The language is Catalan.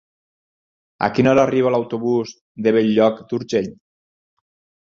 A quina hora arriba l'autobús de Bell-lloc d'Urgell?